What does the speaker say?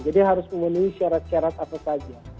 jadi harus mengenai syarat syarat apa saja